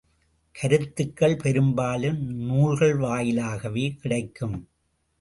கருத்துக்கள் பெரும்பாலும் நூல்கள் வாயிலாகவே கிடைக்கும்.